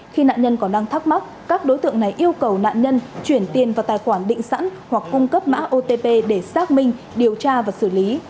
khi nạn nhân còn đang thắc mắc các đối tượng này yêu cầu nạn nhân chuyển tiền vào tài khoản định sẵn hoặc cung cấp mã otp để xác minh điều tra và xử lý